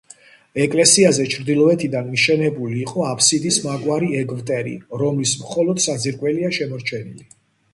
ეკლესიაზე ჩრდილოეთიდან მიშენებული იყო აფსიდის მაგვარი ეგვტერი, რომლის მხოლოდ საძირკველია შემორჩენილი.